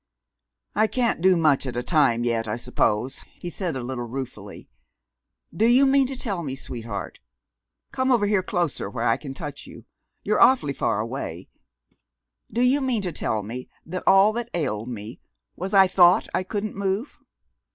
"I can't do much at a time yet, I suppose," he said a little ruefully. "Do you mean to tell me, sweetheart come over here closer, where I can touch you you're awfully far away do you mean to tell me that all that ailed me was I thought I couldn't move?"